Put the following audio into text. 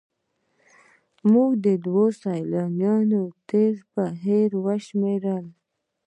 موږ دواړو سیلانیانو تېر پر هېر وشمېره.